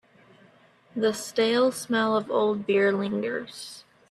The stale smell of old beer lingers.